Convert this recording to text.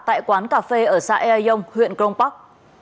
tại quán cà phê ở xã ea dông huyện crong park